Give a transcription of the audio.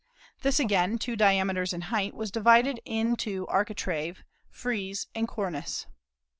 This again, two diameters in height, was divided into architrave, frieze, and cornice.